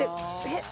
えっ。